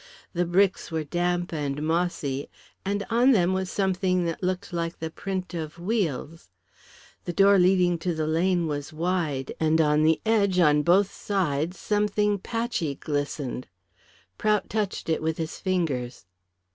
The bricks were damp and mossy, and on them was something that looked like the print of wheels. The door leading to the lane was wide, and on the edge on both sides something patchy glistened. Prout touched it with his fingers.